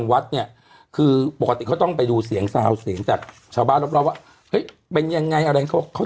ไปซื้อรีบไปซื้อเดี๋ยวจะเอาไปจากแล้วมา